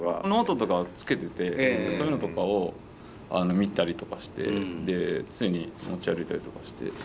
ノートとかはつけててそういうのとかを見てたりとかしてで常に持ち歩いたりとかして。